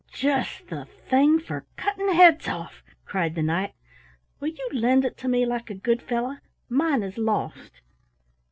"Just the thing for cutting heads off!" cried the Knight. "Will you lend it to me, like a good fellow? Mine is lost."